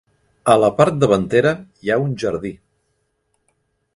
A la part davantera hi ha un jardí.